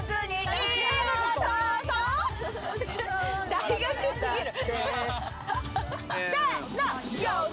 大学すぎる。